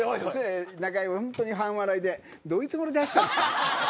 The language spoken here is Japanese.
中居が半笑いでどういうつもりで走ったんですかって。